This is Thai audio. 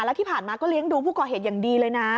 แล้วที่ผ่านมาก็เลี้ยงดูผู้ก่อเหตุอย่างดีเลยนะ